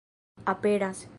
aperas